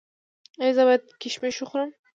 ایا زه باید کشمش وخورم؟